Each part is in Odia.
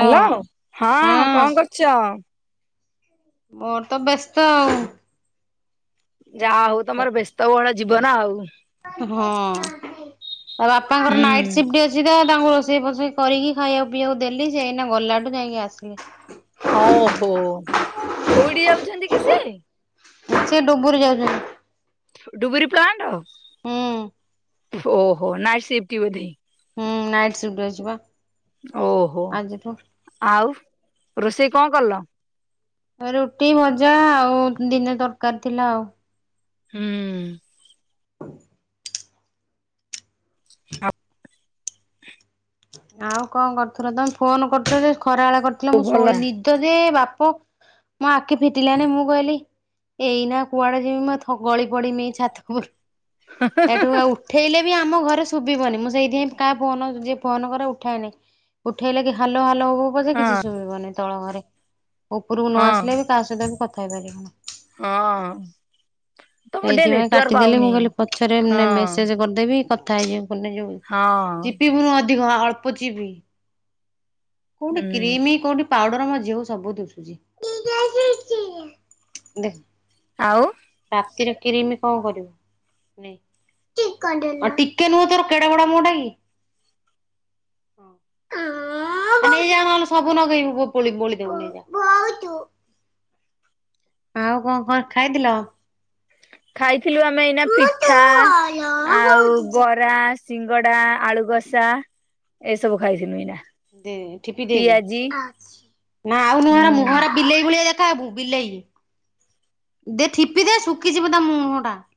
ହ୍ୟାଲୋ ହଁ କଣ କରୁଛ। ମୋର ତ ବ୍ୟସ୍ତ ଆଉ। ଯାହା ହଉ ତମର ବ୍ୟସ୍ତବହୁଳ ଯିବ ବ ନା ଆଉ। ହଁ। ତା ବାପାଙ୍କର ନାଇଟ୍ ସିଫ୍ଟ ଅଛି ତ ତାଙ୍କୁ ରୋଷେ ରୋଷେଇ ଫୋଷେଇ କରିକି ଖାଇବାକୁ ପିଇବାକୁ ଦେଲି ସେଇନା ଗଲାଠୁ ଯାଇକି ଆସିଲି। ଓହୋ କୋଉଠି ଯାଉଛନ୍ତି କି ସେ ସେ ଡୁବୁରି ଯାଉଛନ୍ତି। ଡୁବରି ପ୍ଲାଣ୍ଡ ହୁଁ। ଓହୋ ନାଇଟସିପ୍ଟ ବୋଧେ। ହୁଁ ନାଇଟ୍ସିପ୍ଟ ଅଛି ବା। ଓହୋ ଆଜିଠୁ ଆଉ ରୋଷେଇ। କଣ କଲ। ରୁଟି ଭଜା ଆଉ ଦିନେ ତରକାରୀ ଥିଲା ଆଉ। ହୁଁ। ଆଉ କଣ କରୁଥିଲ ତମେ ଫୋନ କରୁଚ ଯେ। ଖରାବେଳେ କରିଥିଲ ଆଉ ମୁଁ ଭଲ ଶୋଇ ନିଦ ଯେ ବାପ। ପ ମୋ ଆଖି ଫିଟିଲାନି ମୁଁ କହିଲି ଏଇନା କୁଆଡେ ଯିବି ମ ଥ ଗଳି ପଡମି ଏଇ ଛାତ ଉପରୁ। ଏଠୁ ଆଉ ଉଠେଇଲେ ବି। ଆମ ଘରେ ଶୁଭିବନି ମୁଁ ସେଇଥିପାଇଁ କାହା ଫୋନ ଯିଏ ଫୋନ କରେ ଉଠାଏନି ଉଠେଇଲେ କି ହାଲୋ ହାଲୋ ହଉ। କଉ ପା ଯେ ହଁ କିଛି ସୁଭିବନି। ତଳଘରେ। ଉପରକୁ ନ ହଁ। ଆସିଲେ ବି କା ସହିତ ବି କଥା। ଖାଇ ପାରିବ। ହଁ। ତମର ଟିକେ ସେଇଥିପାଇଁ ନେଟୱାର୍କ କାଟିଦେଲେ ମୁଁ ପାଉନି କହିଲି ପଛରେ ହଁ ମେ ମେସେଜ କରିଦେବି କ। ଥାଇଯ। ଭନ ଯଉ ହଁ। ଚିପି ବର ଆଜି। ଧିକ ଅଳ୍ପ ଚିପି। କୋଉଠି ହୁଁ କ୍ରିମି କଉଠି ପାଉଡର ମଝିଉ ସବୁ ଦିଶୁଛି ଦେଖ ଆଉ, କିରା କ୍ରିମ କଣ କରିବୁ ଟିକେ ଦେ ଟିକେ ନୁହ ତୋର କେଡ ବଡ଼ ମୁହ ଟା କି ଆ ଆ ଆ ନେଇଯା ନହେଲେ ସବୁ ନଗେଇବୁ ସବୁ ବୋଳିଦବୁ ନେଇଯା। ଭୋଉତୁ। ଆଉ କଣ କଣ ଖାଇଥିଲ । ଖାଇ, ଦେଖିଲୁ ଆମେ ଏଇନା ପିଠା ଆଉ ବରା ସ ସିଙ୍ଗଡା ଆଳୁକସା ଏସବୁ ଖାଇଥିନୁ ଏଇନା । ଦେ ଠିପି ଦେଇଦ ଆଉଚି ନା ଆଉ ନୁହରା ହୁଁ ମୁହରା ବିଲେଇ ଭଳିଆ ଦେଖାହବୁ ବିଲେଇ ଦେ ଠିପି ଦେ ଶୁଖିଯିବ ତା ମୁ ମୁହଁ ଟା ।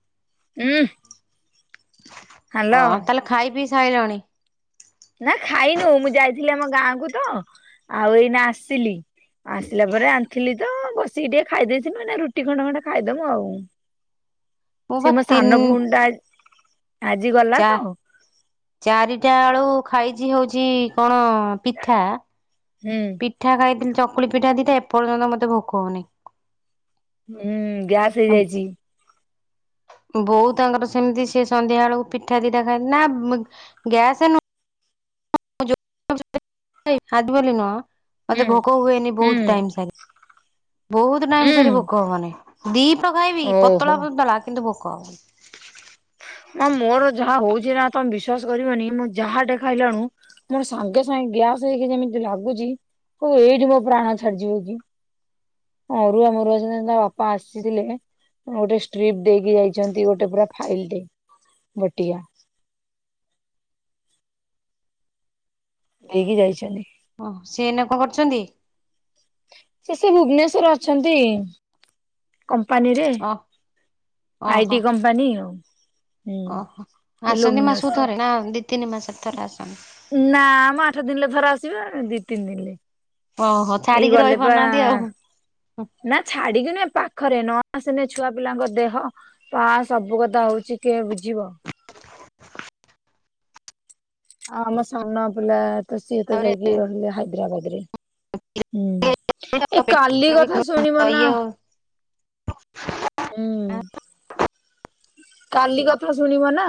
ଉ ଅ ତାହେଲେ ଖାଇ ପି ଖାଇଲଣି । ନା ଖାଇନୁ ମୁଁ ଯାଇଥିଲି ଆମ ଗାଁ କୁ ତ ଆଉ ଏଇନା ଆସିଲି ଆସିଲା ପରେ ଆଣିଥିଲି ତ ବସିକି ଟିକେ ଖାଇ ଦେଇେଇଥିଲୁ ରୁଟି ଖଣ୍ଡେ ଖଣ୍ଡେ ଖାଇଦମୁ ଆଉ ମୁଁ । ବା ସେ ମୋ ସାନ ତିନି ଭଉଣଟା ଚା ଚାରିଟା ଆଳୁ ଖାଇଛି ହଉଛି କଣ ପିଠା ହୁଁ ପିଠା ଖାଇଥିଲି ଚକୁ ଚକୁଳିପିଠା ଦିଟା ଏପର୍ଯ୍ୟନ୍ତ ମତେ ଭୋକ ହଉନି । ହୁଁ ଗ୍ୟାସ ହେଇଯାଇଛି । ବୋଉ ତାଙ୍କର ସେମିତି ସେ ସନ୍ଧ୍ୟା ବେଳକୁ ପିଠା ଦିଟା ଖାଆନ୍ତି ନା ଗ୍ୟାସ ନୁହଁ ଖାଆନ୍ତିବୋଲି ନୁହ ହୁଁ ମତେ ଭୋକ ହୁଏନି ହୁଁ ବହୁତ ଟାଇମ ସାରି ବହୁତ ଟାଇମ ସାରି ହୁଁ ଭୋକ ହବନି। ଦୀପ୍ ଖାଇବି ଓହୋ। ପତଳା ପତଳା କିନ୍ତୁ ବହୁ କହ? ହଁ ମୋର ଯାହା ହଉଛିନା ତମେ ବିଶ୍ଵାସ କରିବନି ମୁଁ ଯାହା ଟେ ଖାଇଲାଣୁ ମୋର ସାଙ୍ଗେସାଙ୍ଗେ ଗ୍ୟାସ୍ ହେଇକି ଯେମିତି ଲାଗୁଛି ଏଇଠି ମୋ ପ୍ରାଣ ଛାଡିଯିବ କି ଅରୁଆ ମରୁଆ ସିନା ତା ବାପା ଆସିଥିଲେ ଗୋଟେ ଷ୍ଟ୍ରିପ୍ଟ ଦେଇକି ଯାଇଛନ୍ତି ଗୋଟେ ପୁର ଫାଇଲଟେ। ବଟିକା ଦେଇକି ଯାଇଛନ୍ତି। ଓ ସିଏ ଇନା କଣ କରୁଛନ୍ତି? ସେ ସେ ଭୁବନେଶ୍ଵରରେ ଅଛନ୍ତି। କମ୍ପାନୀରେ ଓ ଆଇ ଓହୋ ଟି କମ୍ପାନୀ ଆଉ। ହୁଁ ଓହୋ ଆସନ୍ତି ଇଲୋମିନସ୍ ମାସକୁ ରେ ଥରେ ନା ଦି ତିନି ମାସରେ? ଥରେ ଆସନ୍ତି ନା ମ ଆଠ ଦିନେ ଥରେ ଆସିବେ ଦି ତିନି ଦିନ୍ ରେ ଓହୋ ଛାଡିକି ରହିପାରୁନାହାନ୍ତି ଆଉ। ନା ଛାଡିକି ନୁହେଁ ପାଖ୍ ପାଖରେ ନ ଆସିଲେ ଛୁଆ ପିଲାଙ୍କ ଦେହ ପା ସବୁ କଥା ହଉଛି କିଏ ବୁଝିବ। ଆମ ସାନ ପିଲା ତ ସିଏତ ତାପରେ ଯାଇକି ରହିଲେ ହାଇଦ୍ରାବାଦ। ରେ ହୁଁ ଇଏ ଏ କାଲି କଥା ଶୁଣିବ ନା ହୁଁ କାଲି କଥା ଶୁଣିବ ନା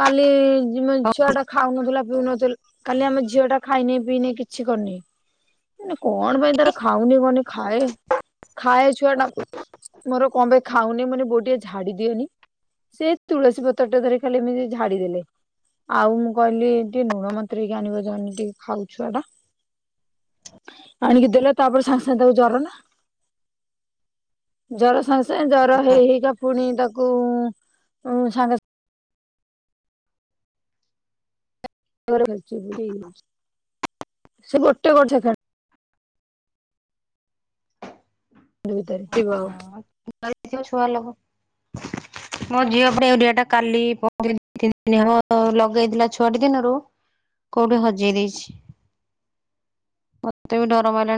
କାଲି? ଯିମେ ଛୁଆ ଟା ଖାଉନଥିଲା ପିଉନଥିଲ କାଲି ଆମ ଝିଅ ଟା ଖାଇନି ପିଇନି କିଛି କରିନି। କଣ ପାଇଁ ତାର ଖାଉନି କହନି ଖାଏ ଖାଏଛୁ ଛୁଆ ଟା ମୋର କଣ ପାଇ ଖାଉନି ମୁଁ କଇନି ବୋଉ ଟିକେ ଝାଡି ଦିଅନି। ସେ ତୁଳସୀ ପତ୍ର ଟା ଧରି ଖାଲି ଏମିତି ଝାଡିଦେଲେ ଆଉ ମୁଁ କହିଲି ଟିକେ ଲୁଣ ମତ୍ରେଇକି ଆଣିବ ଜାନି ଟିକେ ଖାଉ ଛୁଆ ଟା ଆଣିକି ଦେଲେ ତାପରେ ସାଙ୍ଗେ ସାଙ୍ଗେ ତାକୁ ଜ୍ବର ନା ଜ୍ବର ସାଙ୍ଗେ ସାଙ୍ଗେ ଜ୍ବର ହେଇ ହେଇକା ପୁଣି ତାକୁ ଉୁ୍ଁ ସାଙ୍ଗେ ସା [unintelligible] ସେ ଗୋଟେ କଣ ସେକେଣ୍ଡ ଭିତରେ ଥିବ ଆଉ ଡରିଥିବ ଛୁଆଲୋକ। ମୋ ଝିଅ ଡେଉଁରିଆ ଟା କାଲି ପହରି ଦିନ ତିନି ଦିନ ହେବ ଲଗେଇଥିଲା ଛୁଆଟି ଦିନରୁ କୋଉଠି ହଜେଇ ଦେଇଛି ମତେ ବି ଡର ମାଇଲାଣି